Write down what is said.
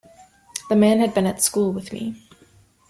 The man had been at school with me.